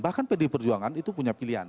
bahkan pdi perjuangan itu punya pilihan